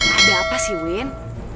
ada apa sih win